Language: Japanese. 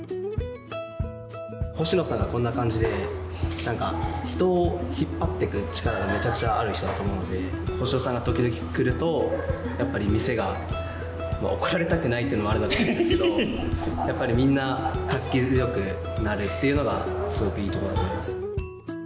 星野さんがこんな感じでなんか人を引っ張っていく力がめちゃくちゃある人だと思うので星野さんがときどき来るとやっぱり店が。怒られたくないっていうのもあるのかもしれないですけどやっぱりみんな活気よくなるっていうのがすごくいいところだと思います。